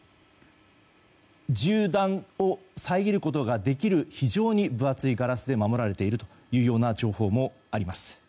銃弾を遮ることができる非常に分厚いガラスで守られているという情報もあります。